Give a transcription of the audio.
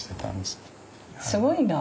すごいな。